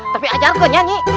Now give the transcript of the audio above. tapi ajarkan nyai